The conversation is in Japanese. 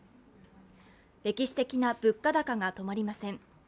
歴史的な物価高が止まりません。